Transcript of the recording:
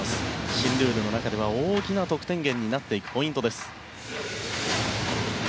新ルールの中では大きな得点源になっていくポイントです。